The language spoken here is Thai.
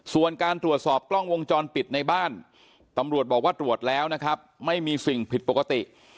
ส่วนการตรวจสอบกล้องวงจรปิดในบ้านตำรวจบอกว่าตรวจแล้วนะครับไม่มีสิ่งผิดปกติ